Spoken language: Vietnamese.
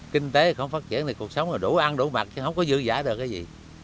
kinh tế không phát triển thì cuộc sống là đủ ăn đủ mạnh chứ không có dư giả được cái gì